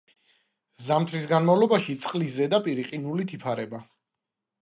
ზამთრის განმავლობაში წყლის ზედაპირი ყინულით იფარება.